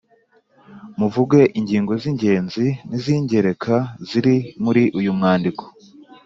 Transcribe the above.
muvuge ingingo z’ingenzi n’iz’ingereka ziri muri uyu mwandiko.